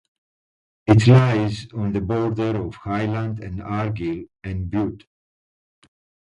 It lies on the border of Highland and Argyll and Bute.